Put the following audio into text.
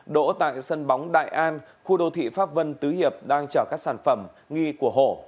đỗ tại sân bóng đại an khu đô thị pháp vân tứ hiệp đang chở các sản phẩm nghi của hổ